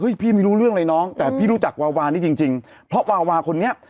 พี่ไม่รู้เรื่องเลยน้องแต่พี่รู้จักวาวานี่จริงจริงเพราะวาวาคนนี้